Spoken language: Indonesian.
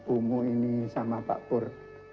ungu ini sama pak pur